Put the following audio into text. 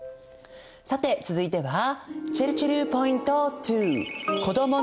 さて続いてはちぇるちぇるポイント２